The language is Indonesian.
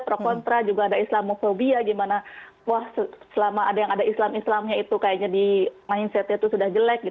pro kontra juga ada islamofobia gimana wah selama ada yang ada islam islamnya itu kayaknya di mindsetnya itu sudah jelek